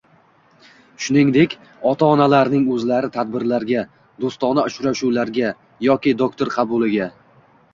shuningdek ota-onalarning o‘zlari tadbirlarga, do‘stona uchrashuvlarga yoki doktor qabuliga